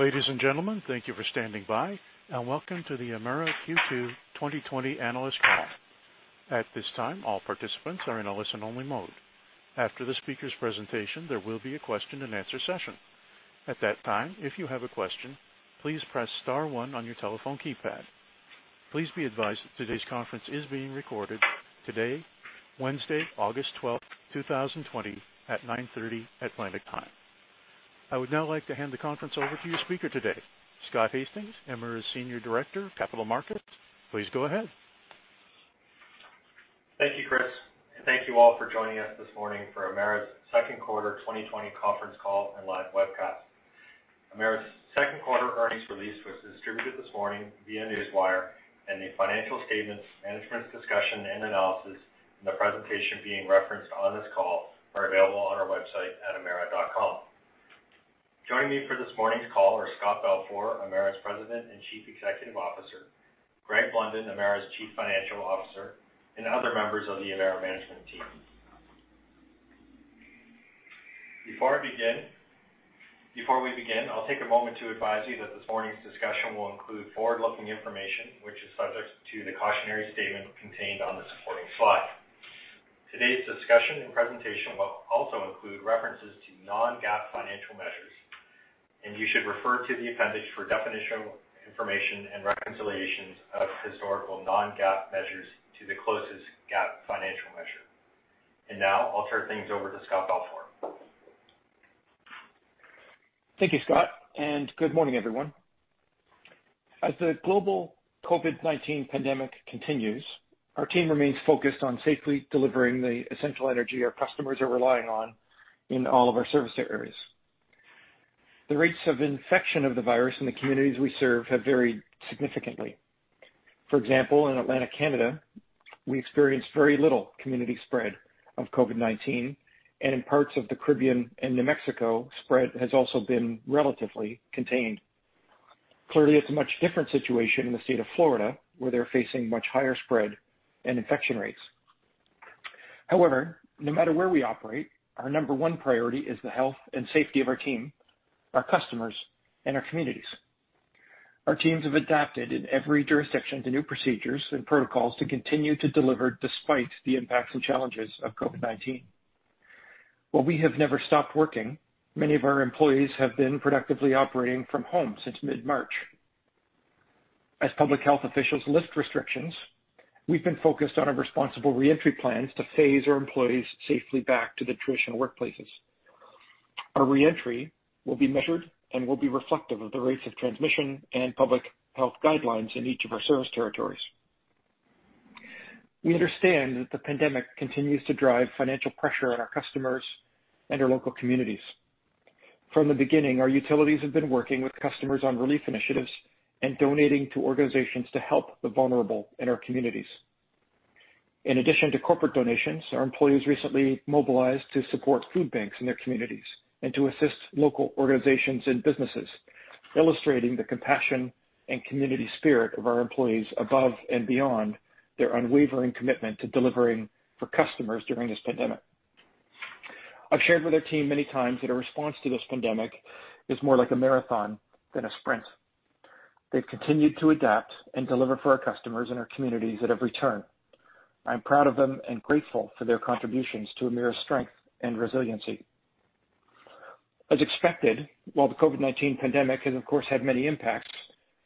Ladies and gentlemen, thank you for standing by, and welcome to the Emera Q2 2020 analyst call. At this time, all participants are in a listen-only mode. After the speaker's presentation, there will be a question-and-answer session. At that time, if you have a question, please press star one on your telephone keypad. Please be advised that today's conference is being recorded today, Wednesday, August 12, 2020, at 9:30 Atlantic Time. I would now like to hand the conference over to your speaker today, Scott Hastings, Emera's Senior Director of Capital Markets. Please go ahead. Thank you, Chris, and thank you all for joining us this morning for Emera's second quarter 2020 conference call and live webcast. Emera's second quarter earnings release was distributed this morning via Newswire, and the financial statements, management's discussion and analysis, and the presentation being referenced on this call are available on our website at emera.com. Joining me for this morning's call are Scott Balfour, Emera's President and Chief Executive Officer, Greg Blunden, Emera's Chief Financial Officer, and other members of the Emera management team. Before we begin, I'll take a moment to advise you that this morning's discussion will include forward-looking information, which is subject to the cautionary statement contained on this morning's slide. Today's discussion and presentation will also include references to non-GAAP financial measures, and you should refer to the appendix for definition information and reconciliations of historical non-GAAP measures to the closest GAAP financial measure. Now I'll turn things over to Scott Balfour. Thank you, Scott, and good morning, everyone. As the global COVID-19 pandemic continues, our team remains focused on safely delivering the essential energy our customers are relying on in all of our service areas. The rates of infection of the virus in the communities we serve have varied significantly. For example, in Atlantic Canada, we experienced very little community spread of COVID-19, and in parts of the Caribbean and New Mexico, spread has also been relatively contained. Clearly, it's a much different situation in the state of Florida, where they're facing much higher spread and infection rates. However, no matter where we operate, our number one priority is the health and safety of our team, our customers, and our communities. Our teams have adapted in every jurisdiction to new procedures and protocols to continue to deliver despite the impacts and challenges of COVID-19. While we have never stopped working, many of our employees have been productively operating from home since mid-March. As public health officials lift restrictions, we've been focused on our responsible reentry plans to phase our employees safely back to the traditional workplaces. Our reentry will be measured and will be reflective of the rates of transmission and public health guidelines in each of our service territories. We understand that the pandemic continues to drive financial pressure on our customers and our local communities. From the beginning, our utilities have been working with customers on relief initiatives and donating to organizations to help the vulnerable in our communities. In addition to corporate donations, our employees recently mobilized to support food banks in their communities and to assist local organizations and businesses, illustrating the compassion and community spirit of our employees above and beyond their unwavering commitment to delivering for customers during this pandemic. I've shared with our team many times that a response to this pandemic is more like a marathon than a sprint. They've continued to adapt and deliver for our customers and our communities at every turn. I'm proud of them and grateful for their contributions to Emera's strength and resiliency. As expected, while the COVID-19 pandemic has of course had many impacts,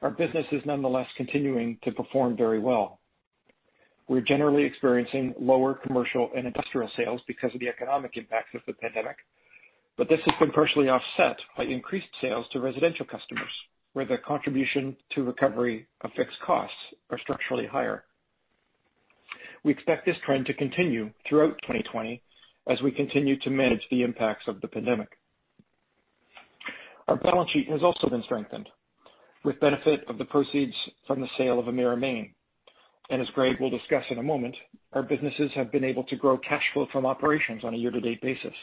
our business is nonetheless continuing to perform very well. We're generally experiencing lower commercial and industrial sales because of the economic impact of the pandemic, but this has been partially offset by increased sales to residential customers, where their contribution to recovery of fixed costs are structurally higher. We expect this trend to continue throughout 2020 as we continue to manage the impacts of the pandemic. Our balance sheet has also been strengthened with benefit of the proceeds from the sale of Emera Maine, and as Greg will discuss in a moment, our businesses have been able to grow cash flow from operations on a year-to-date basis.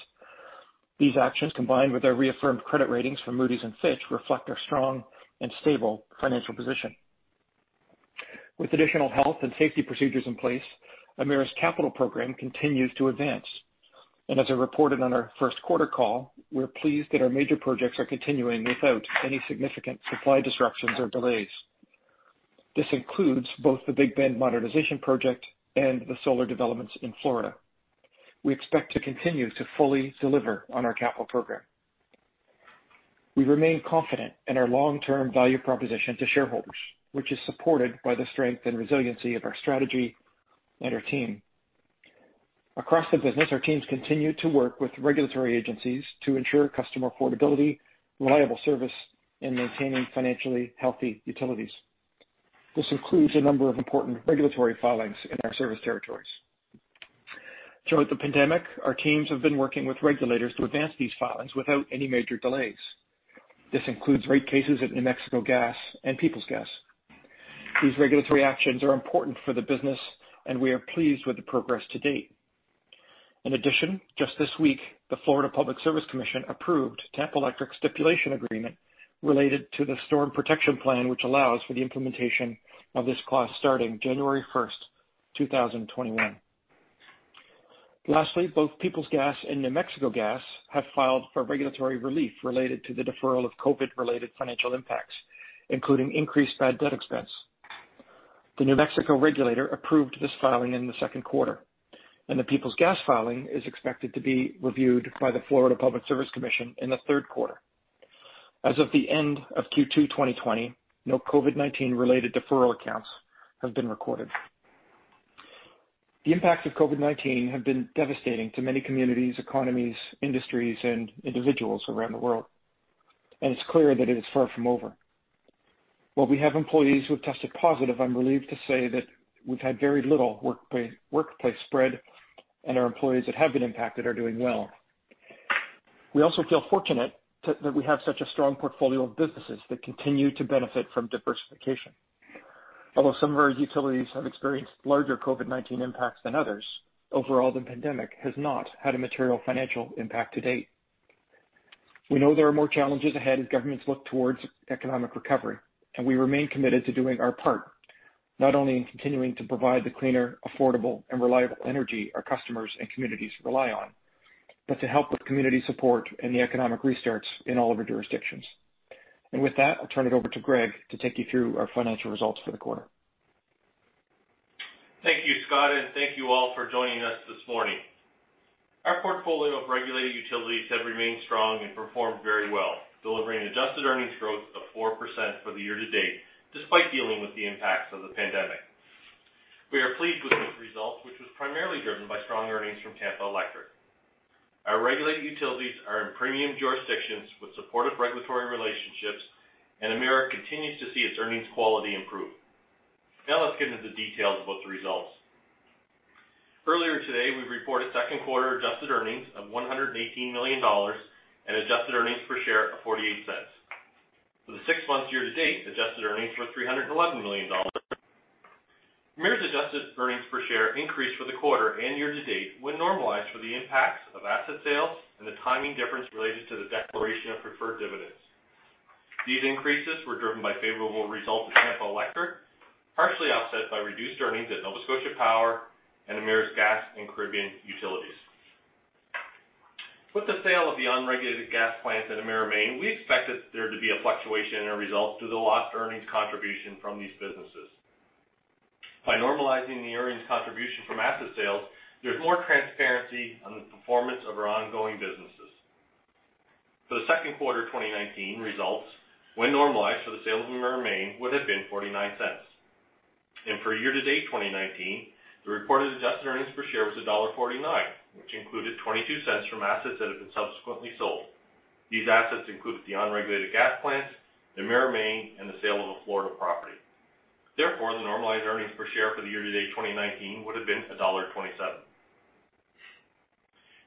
These actions, combined with our reaffirmed credit ratings from Moody's and Fitch, reflect our strong and stable financial position. With additional health and safety procedures in place, Emera's capital program continues to advance. As I reported on our first quarter call, we're pleased that our major projects are continuing without any significant supply disruptions or delays. This includes both the Big Bend modernization project and the solar developments in Florida. We expect to continue to fully deliver on our capital program. We remain confident in our long-term value proposition to shareholders, which is supported by the strength and resiliency of our strategy and our team. Across the business, our teams continue to work with regulatory agencies to ensure customer affordability, reliable service, and maintaining financially healthy utilities. This includes a number of important regulatory filings in our service territories. Throughout the pandemic, our teams have been working with regulators to advance these filings without any major delays. This includes rate cases at New Mexico Gas and Peoples Gas. These regulatory actions are important for the business, and we are pleased with the progress to date. In addition, just this week, the Florida Public Service Commission approved Tampa Electric's stipulation agreement related to the Storm Protection Plan, which allows for the implementation of this clause starting January 1st, 2021. Lastly, both Peoples Gas and New Mexico Gas have filed for regulatory relief related to the COVID-related financial impacts, including increased bad debt expense. The New Mexico regulator approved this filing in the second quarter, and the Peoples Gas filing is expected to be reviewed by the Florida Public Service Commission in the third quarter. As of the end of Q2 2020, no COVID-19 related deferral accounts have been recorded. The impact of COVID-19 have been devastating to many communities, economies, industries, and individuals around the world, and it's clear that it is far from over. While we have employees who have tested positive, I'm relieved to say that we've had very little workplace spread, and our employees that have been impacted are doing well. We also feel fortunate that we have such a strong portfolio of businesses that continue to benefit from diversification. Although some of our utilities have experienced larger COVID-19 impacts than others, overall, the pandemic has not had a material financial impact to date. We know there are more challenges ahead as governments look towards economic recovery, and we remain committed to doing our part, not only in continuing to provide the cleaner, affordable, and reliable energy our customers and communities rely on, but to help with community support and the economic restarts in all of our jurisdictions. With that, I'll turn it over to Greg to take you through our financial results for the quarter. Thank you, Scott, and thank you all for joining us this morning. Our portfolio of regulated utilities have remained strong and performed very well, delivering adjusted earnings growth of 4% for the year-to-date, despite dealing with the impacts of the pandemic. We are pleased with this result, which was primarily driven by strong earnings from Tampa Electric. Our regulated utilities are in premium jurisdictions with supportive regulatory relationships, and Emera continues to see its earnings quality improve. Now let's get into the details about the results. Earlier today, we reported second quarter adjusted earnings of 118 million dollars and adjusted earnings per share of 0.48. For the six months year-to-date, adjusted earnings were 311 million dollars. Emera's adjusted earnings per share increased for the quarter and year-to-date when normalized for the impacts of asset sales and the timing difference related to the declaration of preferred dividends. These increases were driven by favorable results of Tampa Electric, partially offset by reduced earnings at Nova Scotia Power and Emera's Gas and Caribbean utilities. With the sale of the unregulated gas plants and Emera Maine, we expected there to be a fluctuation in our results due to the lost earnings contribution from these businesses. By normalizing the earnings contribution from asset sales, there is more transparency on the performance of our ongoing businesses. For the second quarter of 2019 results, when normalized for the sale of Emera Maine, would have been 0.49. For year-to-date 2019, the reported adjusted earnings per share was dollar 1.49, which included 0.22 from assets that have been subsequently sold. These assets include the unregulated gas plants, Emera Maine, and the sale of a Florida property. Therefore, the normalized earnings per share for the year-to-date 2019 would have been dollar 1.27.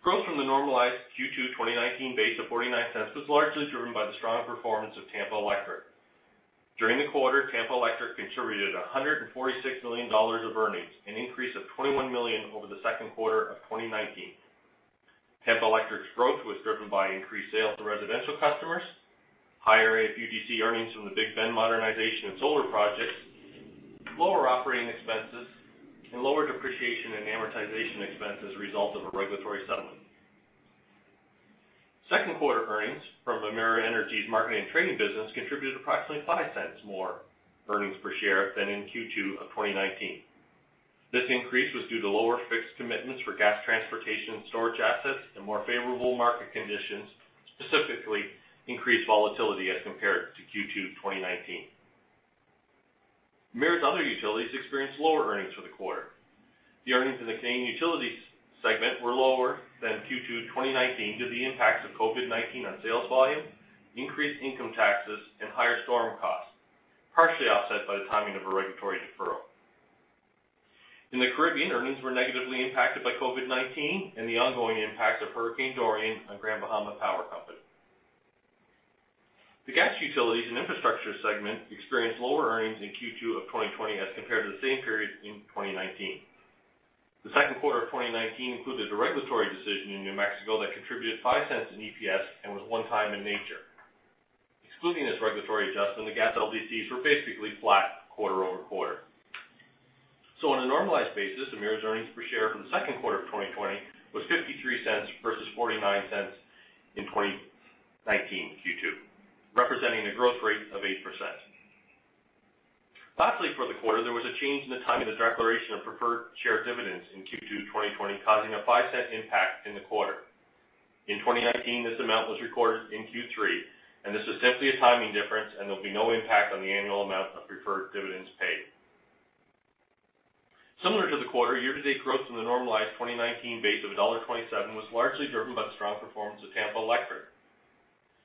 Growth from the normalized Q2 2019 base of 0.49 was largely driven by the strong performance of Tampa Electric. During the quarter, Tampa Electric contributed 146 million dollars of earnings, an increase of 21 million over the second quarter of 2019. Tampa Electric's growth was driven by increased sales to residential customers, higher AFUDC earnings from the Big Bend Modernization and solar projects, lower operating expenses, and lower depreciation and amortization expense as a result of a regulatory settlement. Second quarter earnings from Emera Energy's marketing and trading business contributed approximately 0.05 more earnings per share than in Q2 of 2019. This increase was due to lower fixed commitments for gas transportation and storage assets and more favorable market conditions, specifically increased volatility as compared to Q2 2019. Emera's other utilities experienced lower earnings for the quarter. The earnings in the Canadian utilities segment were lower than Q2 2019 due to the impacts of COVID-19 on sales volume, increased income taxes, and higher storm costs, partially offset by the timing of a regulatory deferral. In the Caribbean, earnings were negatively impacted by COVID-19 and the ongoing impact of Hurricane Dorian on Grand Bahama Power Company. The gas utilities and infrastructure segment experienced lower earnings in Q2 of 2020 as compared to the same period in 2019. The second quarter of 2019 included a regulatory decision in New Mexico that contributed 0.05 in EPS and was one-time in nature. Excluding this regulatory adjustment, the gas LDCs were basically flat quarter-over-quarter. On a normalized basis, Emera's earnings per share for the second quarter of 2020 was 0.53 versus 0.49 in 2019 Q2, representing a growth rate of 8%. Lastly, for the quarter, there was a change in the timing of the declaration of preferred share dividends in Q2 2020, causing a 0.05 impact in the quarter. In 2019, this amount was recorded in Q3, and this is simply a timing difference, and there'll be no impact on the annual amount of preferred dividends paid. Similar to the quarter, year-to-date growth from the normalized 2019 base of dollar 1.27 was largely driven by the strong performance of Tampa Electric.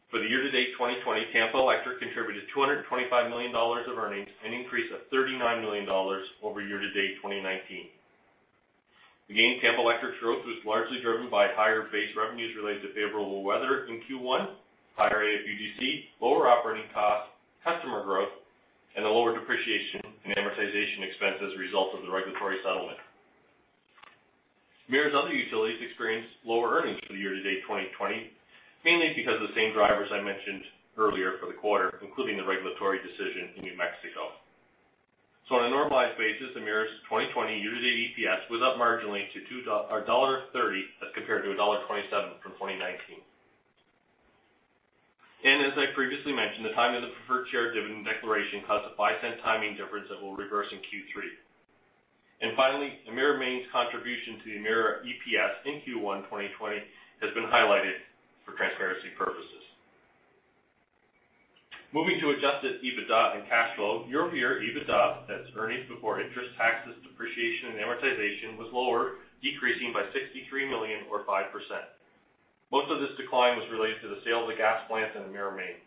For the year-to-date 2020, Tampa Electric contributed 225 million dollars of earnings, an increase of 39 million dollars over year-to-date 2019. Again, Tampa Electric's growth was largely driven by higher base revenues related to favorable weather in Q1, higher AFUDC, lower operating costs, customer growth, and the lower depreciation and amortization expense as a result of the regulatory settlement. Emera's other utilities experienced lower earnings for the year-to-date 2020, mainly because of the same drivers I mentioned earlier for the quarter, including the regulatory decision in New Mexico. On a normalized basis, Emera's 2020 year-to-date EPS was up marginally to dollar 1.30 as compared to dollar 1.27 from 2019. As I previously mentioned, the timing of the preferred share dividend declaration caused a 0.05 timing difference that will reverse in Q3. Finally, Emera Maine's contribution to the Emera EPS in Q1 2020 has been highlighted for transparency purposes. Moving to adjusted EBITDA and cash flow, year-over-year EBITDA, that's earnings before interest, taxes, depreciation, and amortization, was lower, decreasing by 63 million or 5%. Most of this decline was related to the sale of the gas plant and Emera Maine.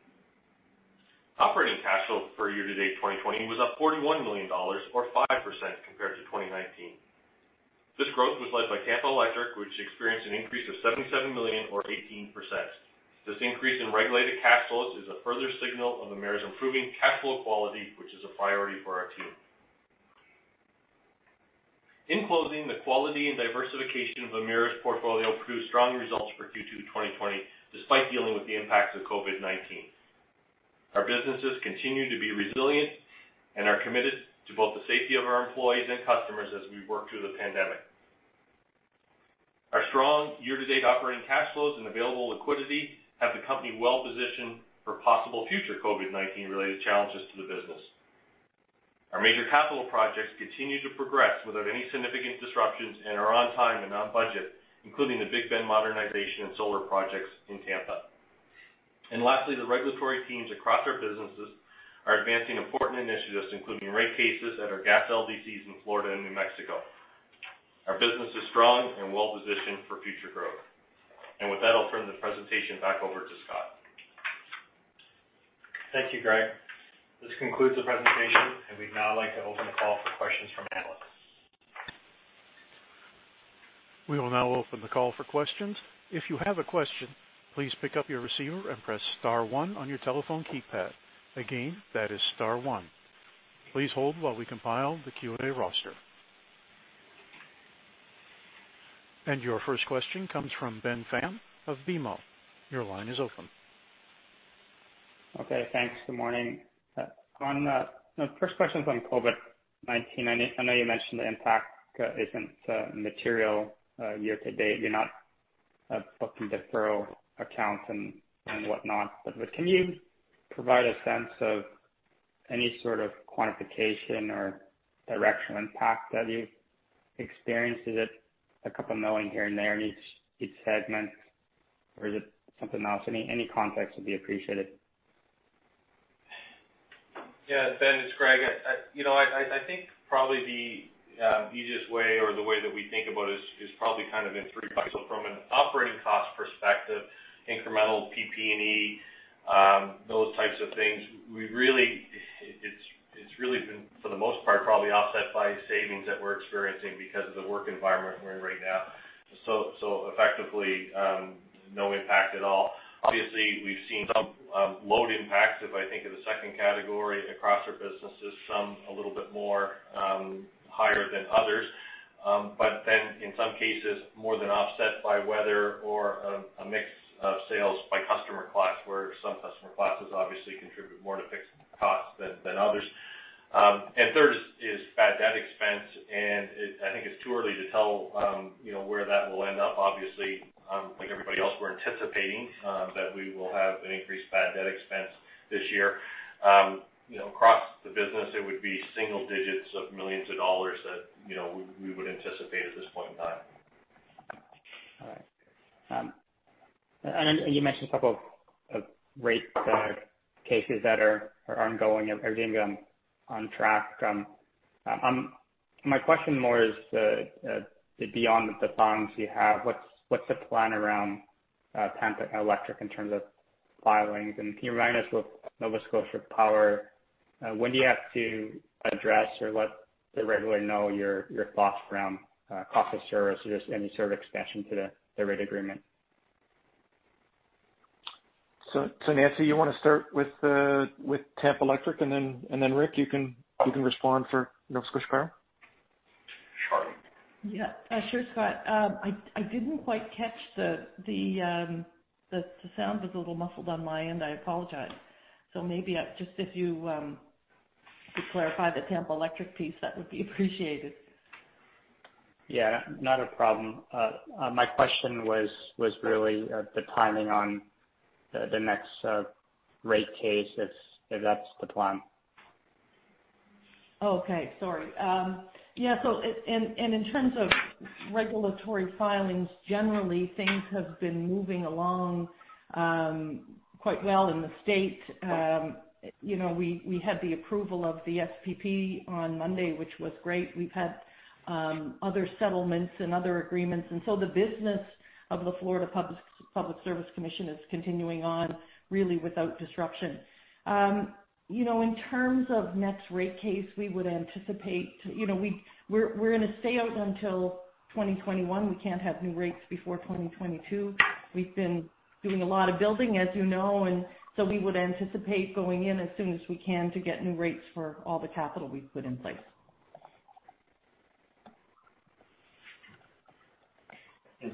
Operating cash flow for year-to-date 2020 was up 41 million dollars or 5% compared to 2019. This growth was led by Tampa Electric, which experienced an increase of 77 million or 18%. This increase in regulated cash flows is a further signal of Emera's improving cash flow quality, which is a priority for our team. In closing, the quality and diversification of Emera's portfolio produced strong results for Q2 2020, despite dealing with the impacts of COVID-19. Our businesses continue to be resilient and are committed to both the safety of our employees and customers as we work through the pandemic. Our strong year-to-date operating cash flows and available liquidity have the company well-positioned for possible future COVID-19-related challenges to the business. Our major capital projects continue to progress without any significant disruptions and are on time and on budget, including the Big Bend modernization and solar projects in Tampa. Lastly, the regulatory teams across our businesses are advancing important initiatives, including rate cases at our gas LDCs in Florida and New Mexico. Our business is strong and well-positioned for future growth. With that, I'll turn the presentation back over to Scott. Thank you, Greg. This concludes the presentation, and we'd now like to open the call for questions from analysts. We will now open the call for questions. If you have a question, please pick up your receiver and press star one on your telephone keypad. Again, that is star one. Please hold while we compile the Q&A roster. Your first question comes from Ben Pham of BMO. Your line is open. Okay, thanks. Good morning. The first question's on COVID-19. I know you mentioned the impact isn't material year-to-date. You're not booking deferral accounts and whatnot. Can you provide a sense of any sort of quantification or directional impact that you've experienced? Is it CAD couple million here and there in each segment? Is it something else? Any context would be appreciated. Yeah, Ben, it's Greg. I think probably the easiest way or the way that we think about it is probably kind of in three bites. From an operating cost perspective, incremental PP&E, those types of things, it's really been, for the most part, probably offset by savings that we're experiencing because of the work environment we're in right now. Effectively, no impact at all. Obviously, we've seen some load impacts, if I think of the second category across our businesses. Some a little bit more higher than others. In some cases, more than offset by weather or a mix of sales by customer class, where some customer classes obviously contribute more to fixed costs than others. Third is bad debt expense, and I think it's too early to tell where that will end up. Obviously, like everybody else, we're anticipating that we will have an increased bad debt expense this year. Across the business, it would be single digits of millions of CAD that we would anticipate at this point in time. All right. You mentioned a couple of rate cases that are ongoing and everything on track. My question more is, beyond the filings you have, what's the plan around Tampa Electric in terms of filings? Can you remind us with Nova Scotia Power, when do you have to address or let the regulator know your thoughts around cost of service or just any sort of extension to the rate agreement? Nancy, you want to start with Tampa Electric, and then Rick, you can respond for Nova Scotia Power? Sure. Yeah, sure, Scott. I didn't quite catch. The sound was a little muffled on my end. I apologize. Maybe just if you could clarify the Tampa Electric piece, that would be appreciated. Yeah, not a problem. My question was really the timing on the next rate case, if that's the plan. Sorry. In terms of regulatory filings, generally, things have been moving along quite well in the state. We had the approval of the SPP on Monday, which was great. We've had other settlements and other agreements. The business of the Florida Public Service Commission is continuing on really without disruption. In terms of next rate case, we're going to stay out until 2021. We can't have new rates before 2022. We've been doing a lot of building, as you know. We would anticipate going in as soon as we can to get new rates for all the capital we've put in place.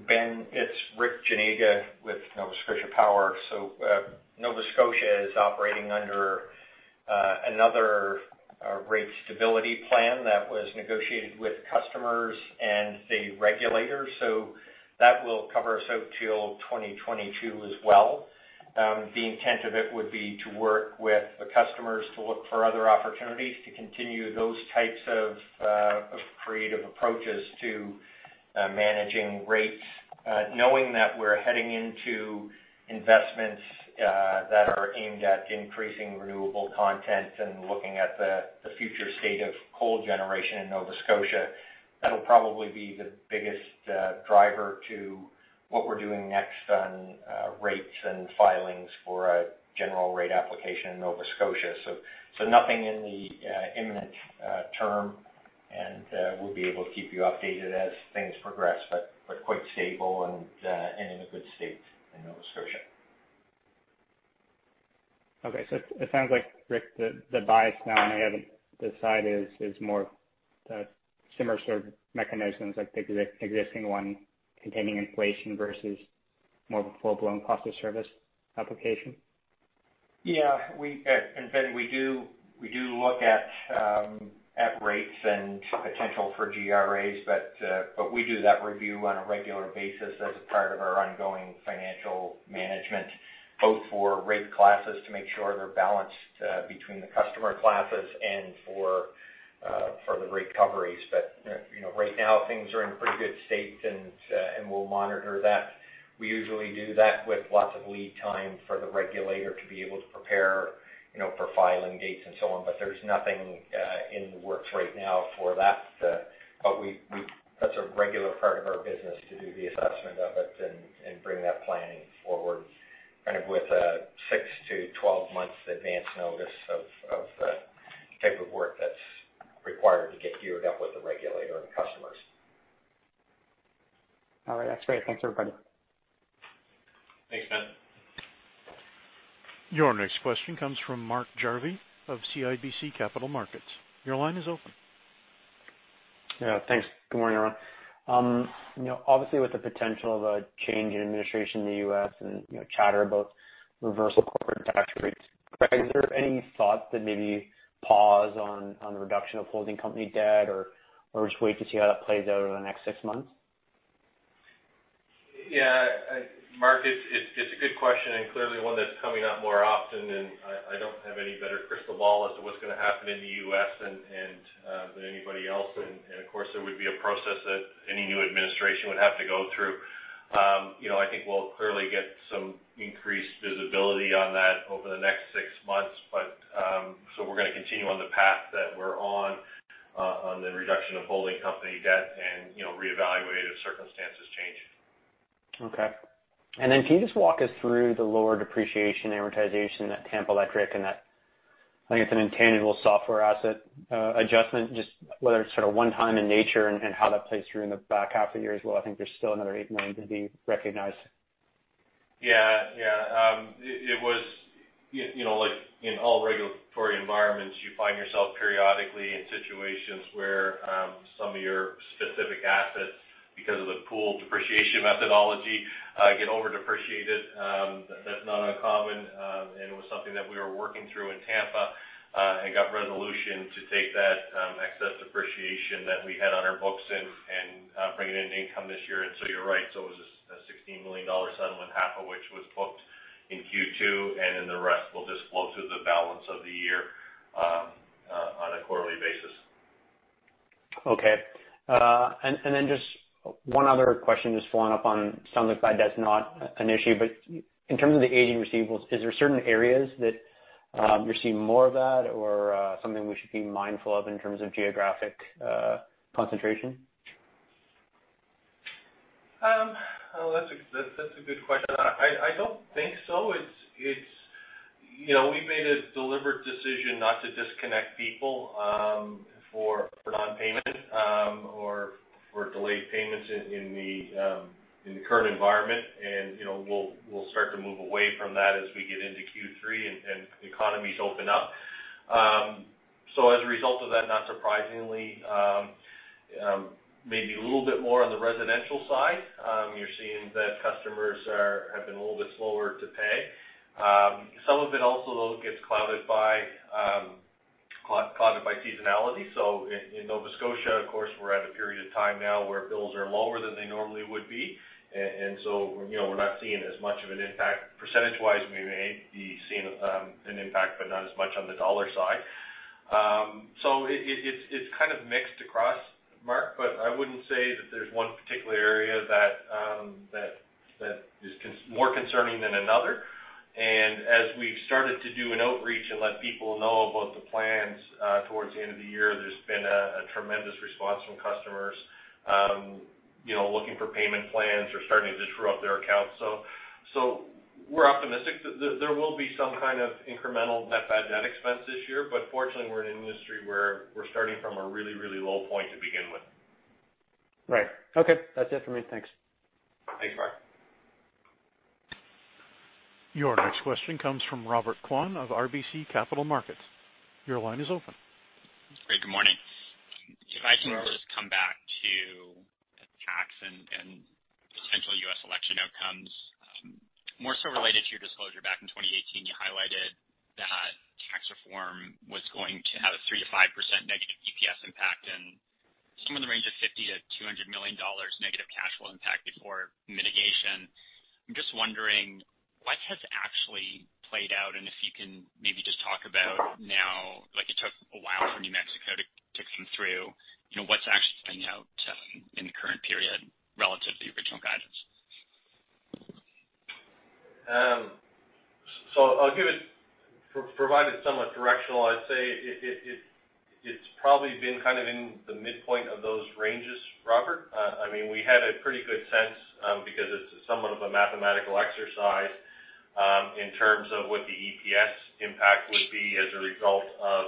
Ben, it's Rick Janega with Nova Scotia Power. Nova Scotia is operating under another rate stability plan that was negotiated with customers and the regulators. That will cover us out till 2022 as well. The intent of it would be to work with the customers to look for other opportunities to continue those types of creative approaches to managing rates, knowing that we're heading into investments that are aimed at increasing renewable content and looking at the future state of coal generation in Nova Scotia. That'll probably be the biggest driver to what we're doing next on rates and filings for a general rate application in Nova Scotia. Nothing in the imminent term, and we'll be able to keep you updated as things progress, but quite stable and in a good state in Nova Scotia. Okay, it sounds like, Rick, the bias now on the other side is more similar sort of mechanisms like the existing one containing inflation versus more of a full-blown cost of service application? Yeah. Ben, we do look at rates and potential for GRAs, but we do that review on a regular basis as a part of our ongoing financial management, both for rate classes to make sure they're balanced between the customer classes and for the rate recoveries. Right now things are in pretty good state and we'll monitor that. We usually do that with lots of lead time for the regulator to be able to prepare for filing dates and so on. There's nothing in the works right now for that. That's a regular part of our business to do the assessment of it and bring that planning forward kind of with a 6 to 12 months advance notice of the type of work that's required to get geared up with the regulator and customers. All right. That's great. Thanks, everybody. Thanks, Ben. Your next question comes from Mark Jarvi of CIBC Capital Markets. Your line is open. Yeah. Thanks. Good morning, everyone. With the potential of a change in administration in the U.S. and chatter about reversal corporate tax rates, is there any thought to maybe pause on the reduction of holding company debt or just wait to see how that plays out over the next six months? Yeah, Mark, it's a good question and clearly one that's coming up more often, and I don't have any better crystal ball as to what's going to happen in the U.S. than anybody else. Of course, there would be a process that any new administration would have to go through. I think we'll clearly get some increased visibility on that over the next six months. We're going to continue on the path that we're on the reduction of holding company debt and reevaluate if circumstances change. Okay. Can you just walk us through the lower depreciation amortization at Tampa Electric and that, I think it's an intangible software asset adjustment, just whether it's sort of one-time in nature and how that plays through in the back half of the year as well. I think there's still another 8 million to be recognized. Yeah. It was like in all regulatory environments, you find yourself periodically in situations where some of your specific assets, because of the pool depreciation methodology, get over-depreciated. That's not uncommon. It was something that we were working through in Tampa, and got resolution to take that excess depreciation that we had on our books and bring it in income this year. You're right. It was a 16 million dollar settlement, half of which was booked in Q2, the rest will just flow through the balance of the year on a quarterly basis. Okay. Just one other question, just following up on something that's not an issue, but in terms of the aging receivables, is there certain areas that you're seeing more of that or something we should be mindful of in terms of geographic concentration? That's a good question. I don't think so. We made a deliberate decision not to disconnect people for non-payment or for delayed payments in the current environment. We'll start to move away from that as we get into Q3 and economies open up. As a result of that, not surprisingly maybe a little bit more on the residential side. You're seeing that customers have been a little bit slower to pay. Some of it also though gets clouded by seasonality. In Nova Scotia, of course, we're at a period of time now where bills are lower than they normally would be. We're not seeing as much of an impact. Percentage-wise, we may be seeing an impact, but not as much on the dollar side. It's kind of mixed across, Mark, but I wouldn't say that there's one particular area that is more concerning than another. And as we've started to do an outreach and let people know about the plans towards the end of the year, there's been a tremendous response from customers looking for payment plans or starting to true up their accounts. We're optimistic. There will be some kind of incremental net bad debt expense this year, but fortunately, we're in an industry where we're starting from a really low point to begin with. Right. Okay. That's it for me. Thanks. Thanks, Mark. Your next question comes from Robert Kwan of RBC Capital Markets. Your line is open. Great. Good morning. If I can just come back to tax and potential U.S. election outcomes. More so related to your disclosure back in 2018, you highlighted that tax reform was going to have a 3%-5% negative EPS impact and somewhere in the range of 50 million-200 million dollars negative cash flow impact before mitigation. I'm just wondering what has actually played out and if you can maybe just talk about now, like it took a while for New Mexico to come through. What's actually playing out in the current period relative to the original guidance? I'll provide it somewhat directional. I'd say it's probably been kind of in the midpoint of those ranges, Robert. We had a pretty good sense because it's somewhat of a mathematical exercise in terms of what the EPS impact would be as a result of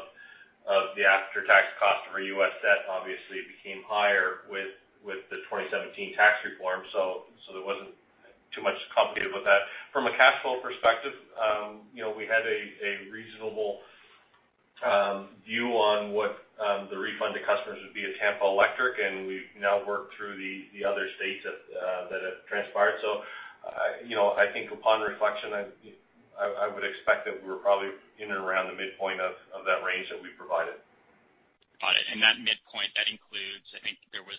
the after-tax cost of our U.S. debt, obviously, it became higher with the 2017 tax reform. There wasn't too much complicated with that. From a cash flow perspective, we had a reasonable view on what the refund to customers would be at Tampa Electric, and we've now worked through the other states that have transpired. I think upon reflection, I would expect that we're probably in and around the midpoint of that range that we provided. Got it. That midpoint, that includes, I think there was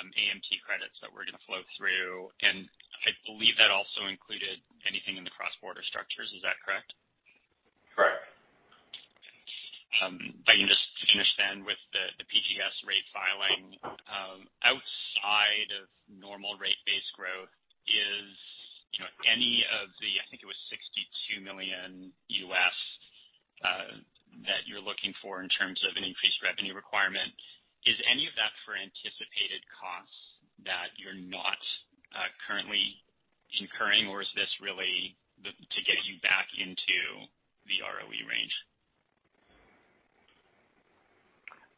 some AMT credits that were going to flow through, and I believe that also included anything in the cross-border structures. Is that correct? Correct. If I can just finish with the PGS rate filing. Outside of normal rate base growth is any of the I think it was $62 million, that you're looking for in terms of an increased revenue requirement. Is any of that for anticipated costs that you're not currently incurring, or is this really to get you back into the ROE range?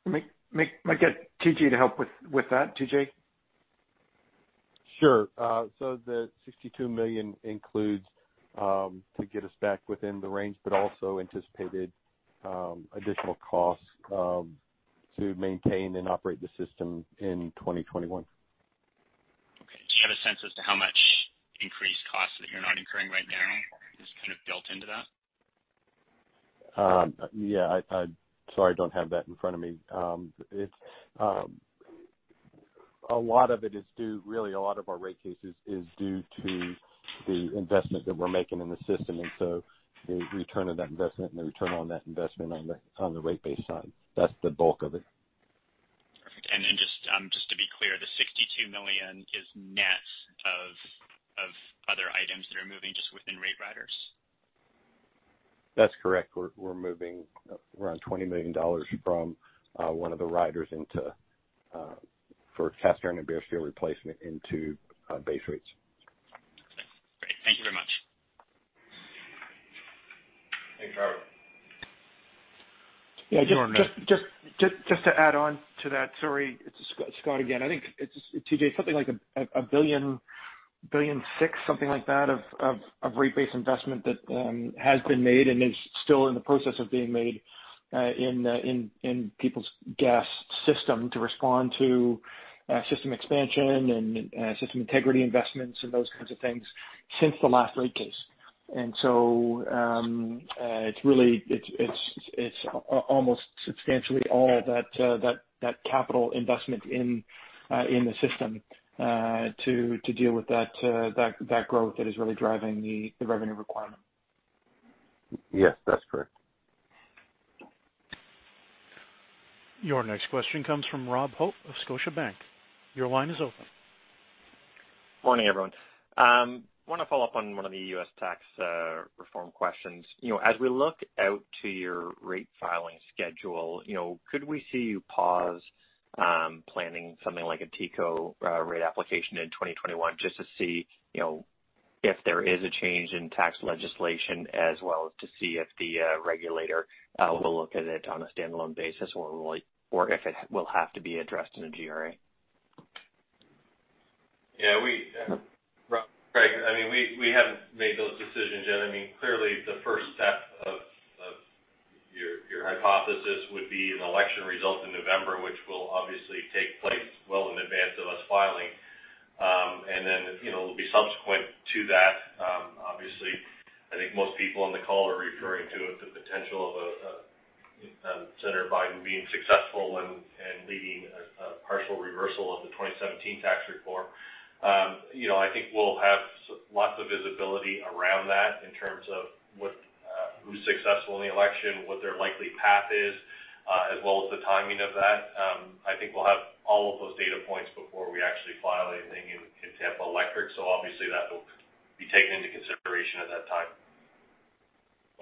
I might get T.J. to help with that. T.J.? Sure. The 62 million includes to get us back within the range but also anticipated additional costs to maintain and operate the system in 2021. Okay. Do you have a sense as to how much increased cost that you're not incurring right now is kind of built into that? Yeah. Sorry, don't have that in front of me. A lot of our rate cases is due to the investment that we're making in the system, and so the return of that investment and the return on that investment on the rate base side. That's the bulk of it. Perfect. Just to be clear, the 62 million is net of other items that are moving just within rate riders? That's correct. We're moving around 20 million dollars from one of the riders for cast iron and bare steel replacement into base rates. Great. Thank you very much. Thanks, Robert. Just to add on to that. Sorry, it's Scott again. I think, T.J., something like 1.6 billion, something like that, of rate base investment that has been made and is still in the process of being made in Peoples Gas System to respond to system expansion and system integrity investments and those kinds of things since the last rate case. It's almost substantially all that capital investment in the system to deal with that growth that is really driving the revenue requirement. Yes, that's correct. Your next question comes from Rob Hope of Scotiabank. Your line is open. Morning, everyone. I want to follow up on one of the U.S. tax reform questions. As we look out to your rate filing schedule, could we see you pause planning something like a TECO rate application in 2021 just to see if there is a change in tax legislation as well as to see if the regulator will look at it on a standalone basis, or if it will have to be addressed in a GRA? Yeah, Rob, Greg, we haven't made those decisions yet. Clearly, the first step of your hypothesis would be an election result in November, which will obviously take place well in advance of us filing. Then, it will be subsequent to that. Obviously, I think most people on the call are referring to the potential of Joe Biden being successful and leading a partial reversal of the 2017 tax reform. I think we'll have lots of visibility around that in terms of who's successful in the election, what their likely path is, as well as the timing of that. I think we'll have all of those data points before we actually file anything in Tampa Electric. Obviously, that will be taken into consideration at that time.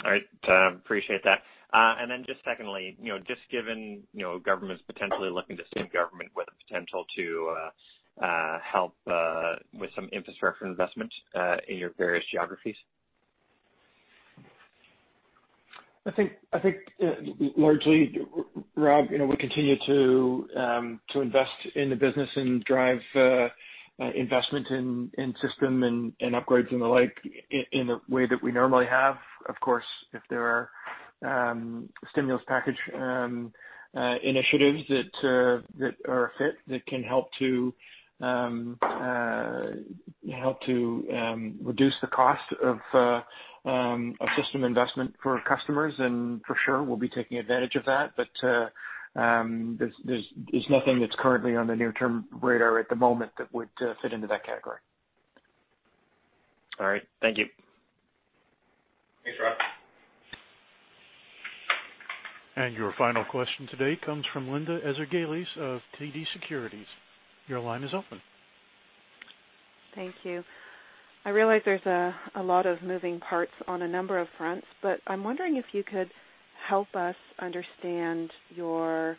All right. Appreciate that. Just secondly, just given government's potentially looking to see government with a potential to help with some infrastructure investment in your various geographies. I think largely, Rob, we continue to invest in the business and drive investment in system and upgrades and the like in the way that we normally have. Of course, if there are stimulus package initiatives that are a fit, that can help to reduce the cost of a system investment for customers, then for sure, we'll be taking advantage of that. There's nothing that's currently on the near-term radar at the moment that would fit into that category. All right. Thank you. Thanks, Rob. Your final question today comes from Linda Ezergailis of TD Securities. Your line is open. Thank you. I realize there's a lot of moving parts on a number of fronts, but I'm wondering if you could help us understand your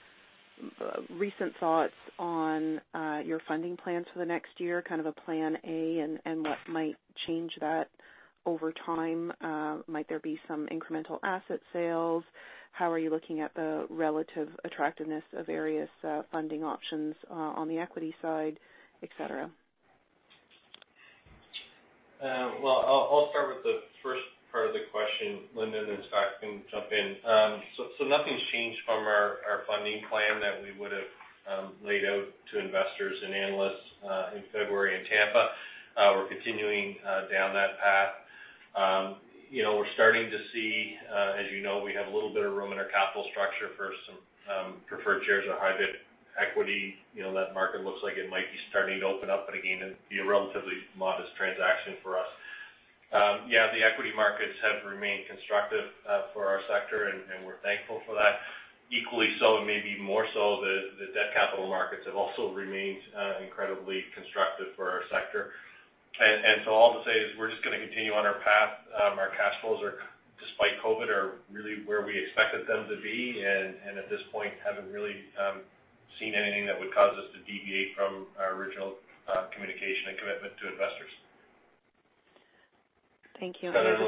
recent thoughts on your funding plans for the next year, kind of a plan A, and what might change that over time. Might there be some incremental asset sales? How are you looking at the relative attractiveness of various funding options on the equity side, et cetera? I'll start with the first part of the question, Linda, then Scott can jump in. Nothing's changed from our funding plan that we would've laid out to investors and analysts in February in Tampa. We're continuing down that path. We're starting to see, as you know, we have a little bit of room in our capital structure for some preferred shares or hybrid equity. That market looks like it might be starting to open up, but again, it'd be a relatively modest transaction for us. The equity markets have remained constructive for our sector, and we're thankful for that. Equally so, and maybe more so, the debt capital markets have also remained incredibly constructive for our sector. All to say is we're just going to continue on our path. Our cash flows, despite COVID, are really where we expected them to be. At this point, haven't really seen anything that would cause us to deviate from our original communication and commitment to investors. Thank you. Scott, I don't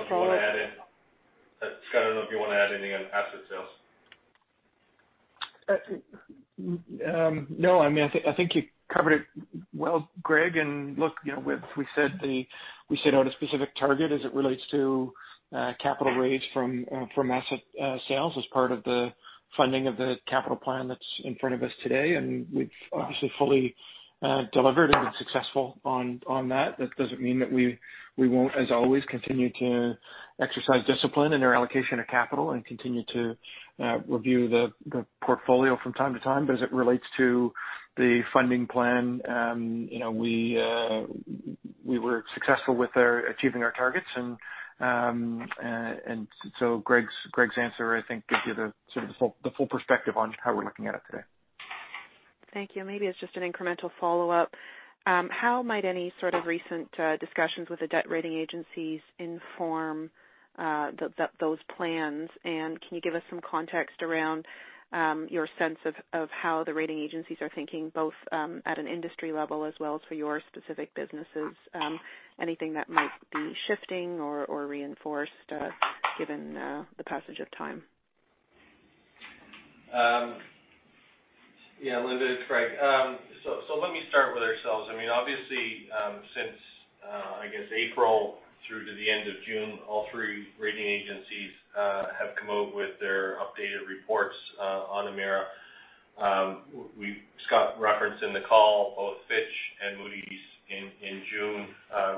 know if you want to add anything on asset sales. No, I think you covered it well, Greg. Look, we set out a specific target as it relates to capital raised from asset sales as part of the funding of the capital plan that's in front of us today, and we've obviously fully delivered and been successful on that. That doesn't mean that we won't, as always, continue to exercise discipline in our allocation of capital and continue to review the portfolio from time to time. As it relates to the funding plan, we were successful with achieving our targets. Greg's answer, I think, gives you the sort of the full perspective on how we're looking at it today. Thank you. Maybe it's just an incremental follow-up. How might any sort of recent discussions with the debt rating agencies inform those plans? Can you give us some context around your sense of how the rating agencies are thinking, both at an industry level as well as for your specific businesses? Anything that might be shifting or reinforced given the passage of time? Yeah, Linda, it's Greg. Let me start with ourselves. Obviously, since, I guess April through to the end of June, all three rating agencies have come out with their updated reports on Emera. Scott referenced in the call, both Fitch and Moody's in June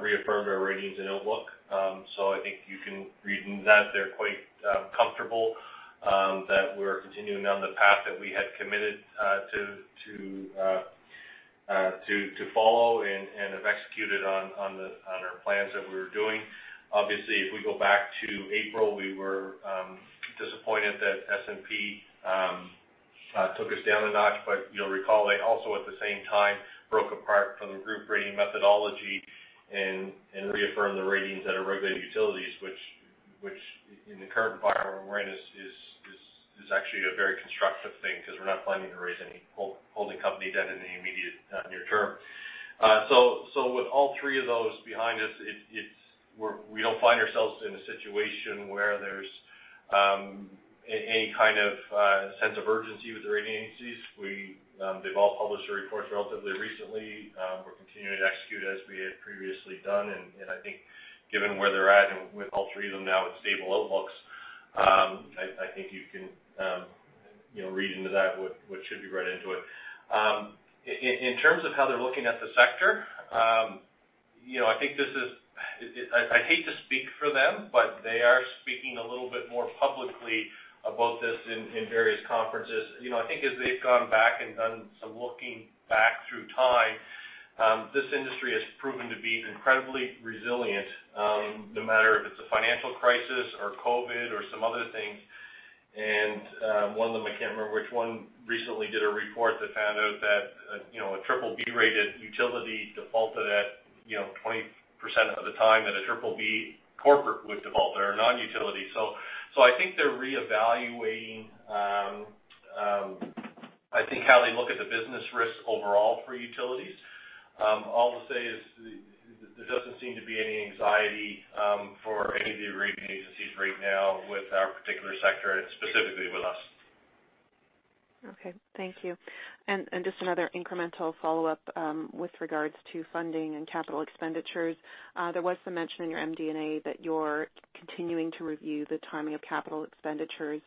reaffirmed our ratings and outlook. I think you can read into that. They're quite comfortable that we're continuing down the path that we had committed to follow and have executed on our plans that we were doing. Obviously, if we go back to April, we were disappointed that S&P took us down a notch. You'll recall, they also, at the same time, broke apart from the group rating methodology and reaffirmed the ratings at our regulated utilities, which in the current environment we're in is actually a very constructive thing because we're not planning to raise any holding company debt in the immediate near term. With all three of those behind us, we don't find ourselves in a situation where there's any kind of sense of urgency with the rating agencies. They've all published their reports relatively recently. We're continuing to execute as we had previously done, and I think given where they're at and with all three of them now with stable outlooks, I think you can read into that what should be read into it. In terms of how they're looking at the sector, I hate to speak for them, but they are speaking a little bit more publicly about this in various conferences. I think as they've gone back and done some looking back through time, this industry has proven to be incredibly resilient, no matter if it's a financial crisis or COVID or some other thing. One of them, I can't remember which one, recently did a report that found out that a BBB-rated utility defaulted at 20% of the time that a BBB corporate would default or a non-utility. I think they're reevaluating how they look at the business risk overall for utilities. All I'll say is there doesn't seem to be any anxiety for any of the rating agencies right now with our particular sector, and specifically with us. Okay. Thank you. Just another incremental follow-up with regards to funding and capital expenditures. There was some mention in your MD&A that you're continuing to review the timing of capital expenditures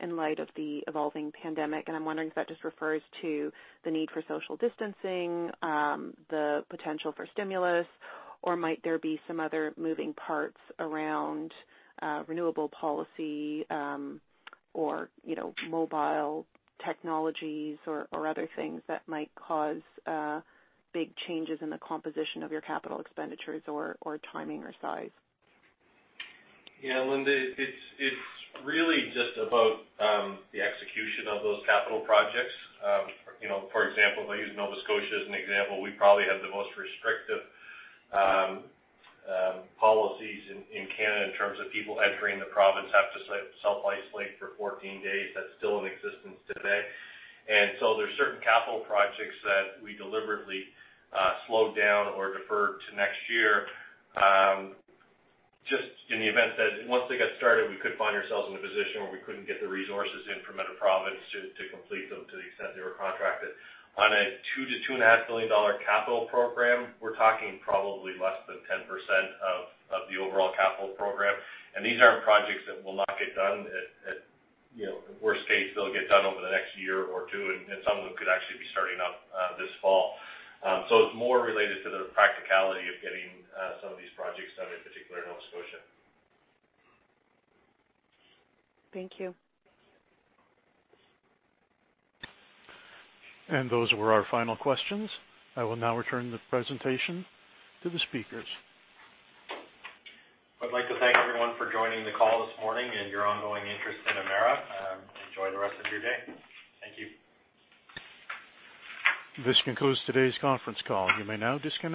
in light of the evolving pandemic, and I'm wondering if that just refers to the need for social distancing, the potential for stimulus, or might there be some other moving parts around renewable policy or mobile technologies or other things that might cause big changes in the composition of your capital expenditures or timing or size? Yeah, Linda, it's really just about the execution of those capital projects. For example, if I use Nova Scotia as an example, we probably have the most restrictive policies in Canada in terms of people entering the province have to self-isolate for 14 days. That's still in existence today. There's certain capital projects that we deliberately slowed down or deferred to next year, just in the event that once they get started, we could find ourselves in a position where we couldn't get the resources in from out of province to complete them to the extent they were contracted. On a 2 billion-2.5 billion dollar capital program, we're talking probably less than 10% of the overall capital program. These aren't projects that will not get done. At worst case, they'll get done over the next year or two, and some of them could actually be starting up this fall. It's more related to the practicality of getting some of these projects done, in particular in Nova Scotia. Thank you. Those were our final questions. I will now return the presentation to the speakers. I'd like to thank everyone for joining the call this morning and your ongoing interest in Emera. Enjoy the rest of your day. Thank you. This concludes today's conference call. You may now disconnect.